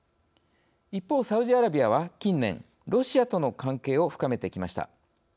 一方、サウジアラビアは近年、ロシアとの関係を深めてきました。